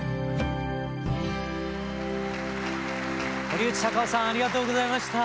堀内孝雄さんありがとうございました。